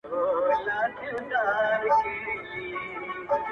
o تر شا مي زر نسلونه پایېدلې. نور به هم وي.